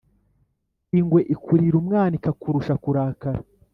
Ingwe ikurira umwana ikakurusha kurakara.